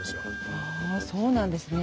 ああそうなんですね。